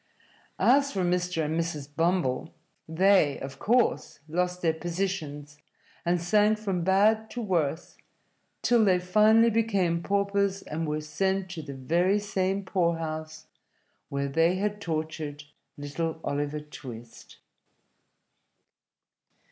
As for Mr. and Mrs. Bumble, they, of course, lost their positions, and sank from bad to worse till they finally became paupers and were sent to the very same poorhouse where they had tortured little Oliver Twist.